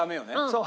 そう。